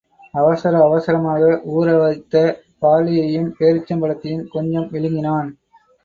அவசர அவசரமாக ஊற வைத்த பார்லியையும் பேரீச்சம் பழத்தையும் கொஞ்சம் விழுங்கினான்.